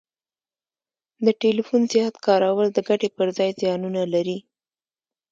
د ټلیفون زیات کارول د ګټي پر ځای زیانونه لري